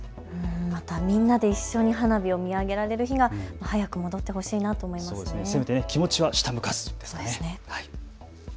またみんなで一緒に花火を見上げられる日が早く戻ってほしいなと思います。